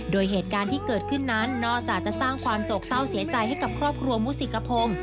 โดยเหตุการณ์ที่เกิดขึ้นนั้นนอกจากจะสร้างความโศกเศร้าเสียใจให้กับครอบครัวมุสิกพงศ์